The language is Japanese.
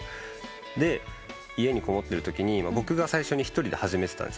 で家にこもってるときに僕が最初に一人で始めてたんです。